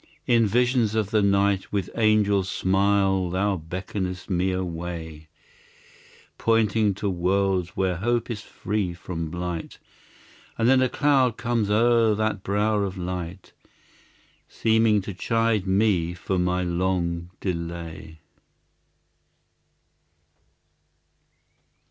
In visions of the night With angel smile thou beckon'st me away, Pointing to worlds where hope is free from blight; And then a cloud comes o'er that brow of light, Seeming to chide me for my long delay.